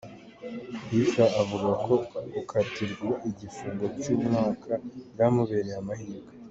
P Fla avuga ko gukatirwa igifungo cy'umwaka byamubereye amahirwe.